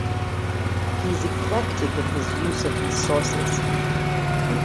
He is eclectic in his use of these sources.